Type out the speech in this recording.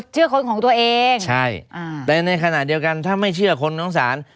คนของตัวเองใช่อ่าแต่ในขณะเดียวกันถ้าไม่เชื่อคนของศาล